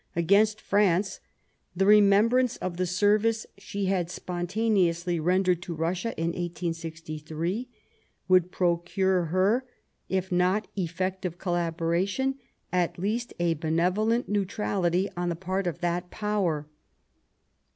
— against France, the remembrance of the service she had spontaneously rendered to Russia in 1863 would procure her, if not effective collaboration, at least a benevolent neutrality on the part of that Power.